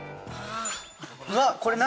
うわっこれ何？